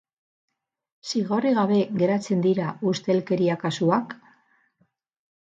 Zigorrik gabe geratzen dira ustelkeria kasuak?